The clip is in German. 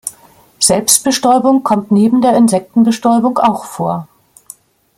Selbstbestäubung kommt neben der Insektenbestäubung auch vor.